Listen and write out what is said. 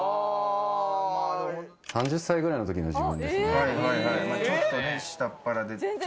３０歳くらいの時の自分ですね。